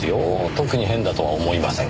特に変だとは思いませんがねぇ。